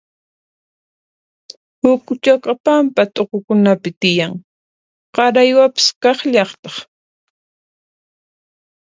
Huk'uchaqa pampa t'uqukunapi tiyan, qaraywapas kaqllataq.